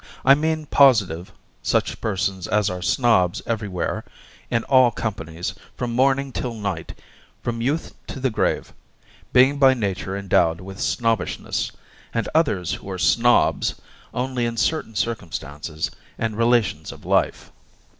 I mean by positive, such persons as are Snobs everywhere, in all companies, from morning till night, from youth to the grave, being by Nature endowed with Snobbishness and others who are Snobs only in certain circumstances and relations of life.